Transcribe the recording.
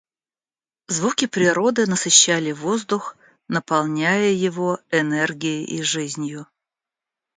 Звуки природы насыщали воздух, наполняя его энергией и жизнью.